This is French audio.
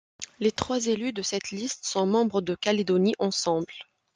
Les trois élus de cette liste sont membres de Calédonie ensemble.